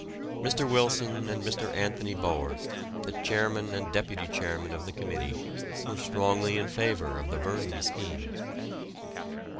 Mr. Wilson and Mr. Anthony Bower, the chairman and deputy chairman of the committee, were strongly in favour of the Vyrnwy scheme.